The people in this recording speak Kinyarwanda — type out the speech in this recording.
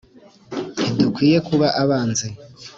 ntidukwiye kuba abanzi.